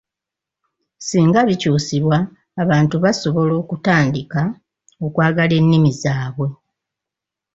"Singa bikyusibwa, abantu basobola okutandika okwagala ennimi zaabwe."